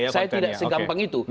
saya tidak segampang itu